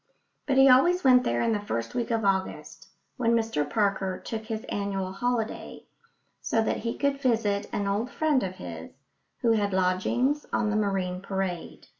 But he always went there in the first week of August, when Mr Parker took his annual holiday, so that he could visit an old friend of his, who had lodgings on the Marine Parade.